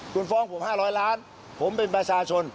คุณฟ้องผม๕๐๐ล้านผมเป็นประชาชน